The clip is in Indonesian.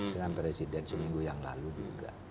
dengan presiden seminggu yang lalu juga